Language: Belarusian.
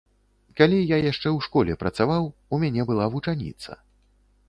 Калі я яшчэ ў школе працаваў, у мяне была вучаніца.